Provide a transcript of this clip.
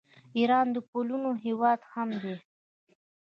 ایران د پلونو هیواد هم دی.